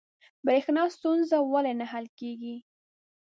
بریښنا ستونزه ولې نه حل کیږي؟